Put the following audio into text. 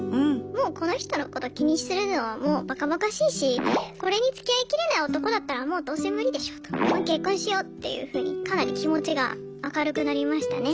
もうこの人のこと気にするのはもうバカバカしいしこれに付き合いきれない男だったらもうどうせ無理でしょうともう結婚しよっていうふうにかなり気持ちが明るくなりましたね。